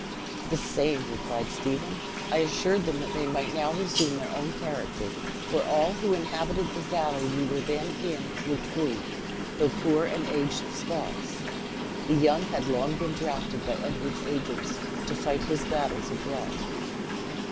"The same," replied Stephen; "I assured them that they might now resume their own character; for all who inhabited the valley we were then in were true, though poor and aged Scots. The young had long been drafted by Edward's agents, to fight his battles abroad.